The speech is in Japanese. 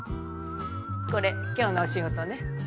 これ今日のお仕事ね。